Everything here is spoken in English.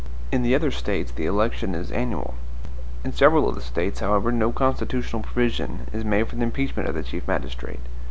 In the other States the election is annual. In several of the States, however, no constitutional provision is made for the impeachment of the chief magistrate.